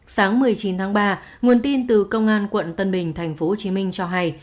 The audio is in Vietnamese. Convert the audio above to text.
sáng một mươi chín tháng ba nguồn tin từ công an quận tân bình tp hcm cho hay